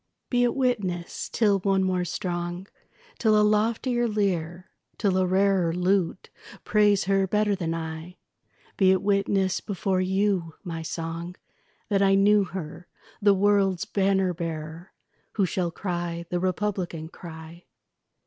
Be it witness, till one more strong, Till a loftier lyre, till a rarer Lute praise her better than I, Be it witness before you, my song, That I knew her, the world's banner bearer, Who shall cry the republican cry.